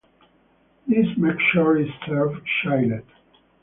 The mixture is served chilled.